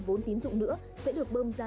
vốn tín dụng nữa sẽ được bơm ra